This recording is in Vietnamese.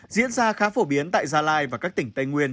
diễn ra khá phổ biến tại gia lai và các tỉnh tây nguyên